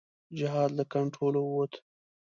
جهاد له کنټروله ووت.